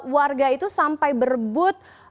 warga itu sampai berbut